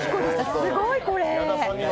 すごい、これ。